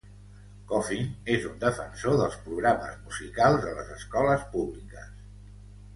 Coffin és un defensor dels programes musicals a les escoles públiques.